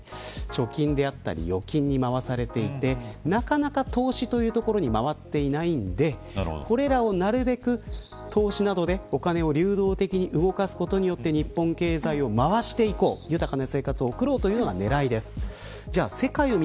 貯金であったり預金に回されていてなかなか投資に回っていないのでこれらをなるべく投資などでお金を流動的に動かすことによって日本経済を回していこう豊かな生活を送ろうというのが狙いです。